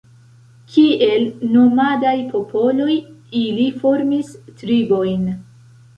Kiel nomadaj popoloj, ili formis tribojn.